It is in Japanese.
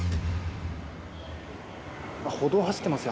歩道を走ってますよ。